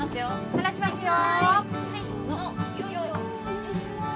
離しますよ。